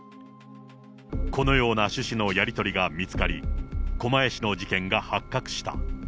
このような趣旨のやり取りが見つかり、狛江市の事件が発覚した。